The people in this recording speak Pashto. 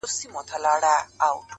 لومړی ملګری د ډاکټرانو؛